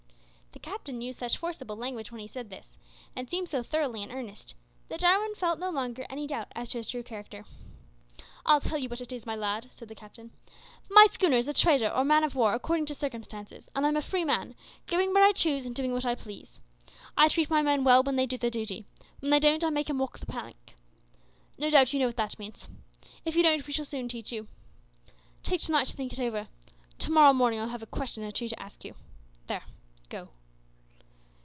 The captain used such forcible language when he said this, and seemed so thoroughly in earnest, that Jarwin felt no longer any doubt as to his true character. "I'll tell you what it is, my lad," said the captain, "my schooner is a trader or a man of war according to circumstances, and I'm a free man, going where I choose and doing what I please. I treat my men well when they do their duty; when they don't I make 'em walk the plank. No doubt you know what that means. If you don't we shall soon teach you. Take to night to think over it. To morrow morning I'll have a question or two to ask you. There go!"